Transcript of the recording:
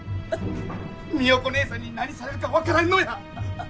美代子ねえさんに何されるか分からんのや。